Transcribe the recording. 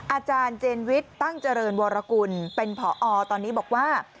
อาจารย์เจนวิทย์ตั้งเจริญวรกุลเป็นผอตอนนี้บอกว่า